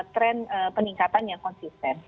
tren peningkatan yang konsisten